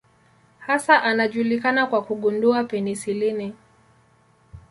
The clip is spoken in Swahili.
Hasa anajulikana kwa kugundua penisilini.